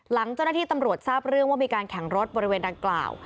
หลังเจ้าหน้าที่ตำรวจทราบเรื่องว่ามีการแข่งรถบริเวณดังกล่าว